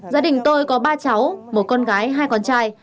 gia đình tôi có ba cháu một con gái hai con trai